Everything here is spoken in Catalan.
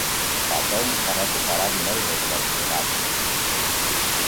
Patong s'ha recuperat molt des del tsunami.